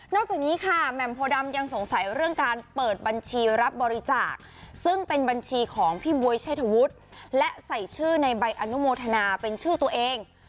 จากนี้ค่ะแหม่มโพดำยังสงสัยเรื่องการเปิดบัญชีรับบริจาคซึ่งเป็นบัญชีของพี่บ๊วยเชษฐวุฒิและใส่ชื่อในใบอนุโมทนาเป็นชื่อตัวเอง